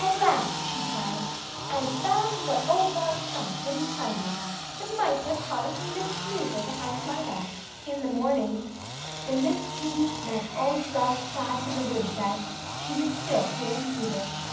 "At last," she cried, "I've found out what old dog Spot wouldn't tell me. The mice are calling me 'Miss Snooper' behind my back!" In the morning, when Miss Kitty met old dog Spot in the woodshed, she was still feeling peevish.